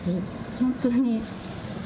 本当に。